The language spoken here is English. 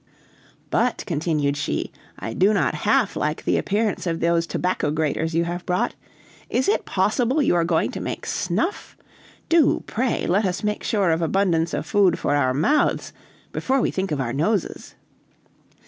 "But," continued she, "I do not half like the appearance of those tobacco graters you have brought. Is it possible you are going to make snuff? Do, pray, let us make sure of abundance of food for our mouths, before we think of our noses!"